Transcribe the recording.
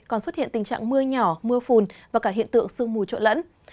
còn xuất hiện tình trạng mưa nhỏ mưa phùn và cả hiện tượng sương mù trộn lẫn